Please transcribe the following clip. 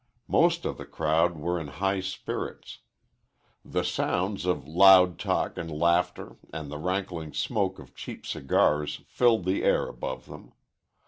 Most of the crowd were in high spirits. The sounds of loud talk and laughter and the rankling smoke of cheap cigars filled the air above them.